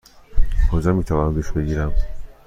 کجا می توانم دوش بگیرم؟